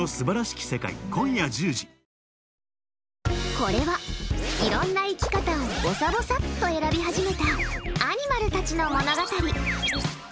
これは、いろんな生き方をぼさぼさっと選び始めたアニマルたちの物語。